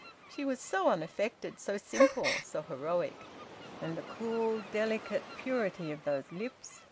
She was so unaffected, so simple, so heroic. And the cool, delicate purity of those lips!